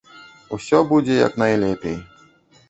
Усё будзе як найлепей.